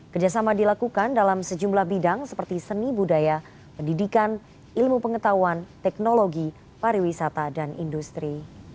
kerjasama dilakukan dalam sejumlah bidang seperti seni budaya pendidikan ilmu pengetahuan teknologi pariwisata dan industri